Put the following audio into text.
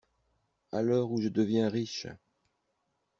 A l'heure où je deviens riche!